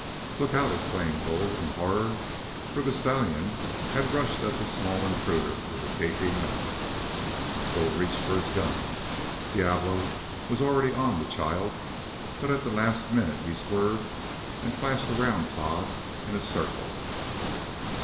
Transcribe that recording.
"Look out!" exclaimed Bull in horror, for the stallion had rushed at the small intruder with gaping mouth. Bull reached for his gun Diablo was already on the child, but at the last minute he swerved, and flashed around Tod in a circle.